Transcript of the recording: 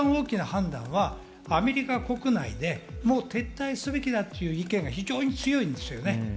でも、一番大きな判断はアメリカ国内でもう撤退すべきだという意見が非常に強いですよね。